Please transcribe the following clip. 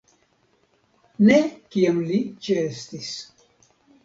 Ne kiam li ĉeestis.